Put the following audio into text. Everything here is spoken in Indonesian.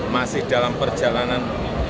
masih dalam perjalanan